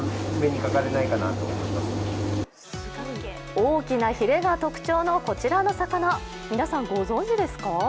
大きなヒレが特徴のこちらの魚、皆さんご存じですか？